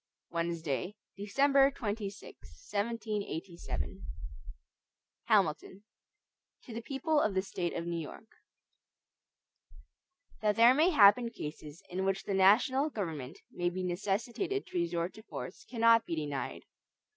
Wednesday, December 26, 1787 HAMILTON To the People of the State of New York: THAT there may happen cases in which the national government may be necessitated to resort to force, cannot be denied.